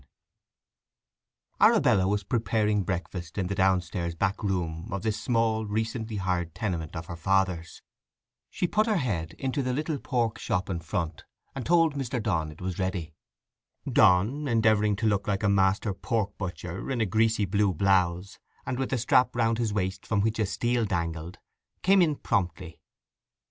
VII Arabella was preparing breakfast in the downstairs back room of this small, recently hired tenement of her father's. She put her head into the little pork shop in front, and told Mr. Donn it was ready. Donn, endeavouring to look like a master pork butcher, in a greasy blue blouse, and with a strap round his waist from which a steel dangled, came in promptly.